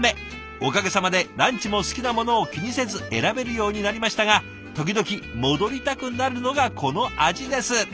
おかげさまでランチも好きなものを気にせず選べるようになりましたが時々戻りたくなるのがこの味です」。